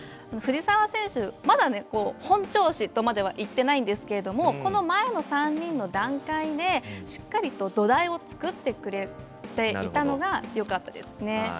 藤澤選手、まだ本調子とまではいってないんですけれどもこの前の３人の段階でしっかりと土台をつくってくれていたのがよかったですね。